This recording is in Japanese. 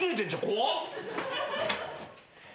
怖っ。